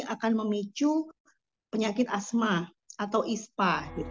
akan memicu penyakit asma atau ispa